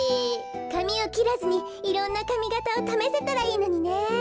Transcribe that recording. かみをきらずにいろんなかみがたをためせたらいいのにね。